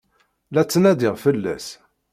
La ttnadiɣ fell-as.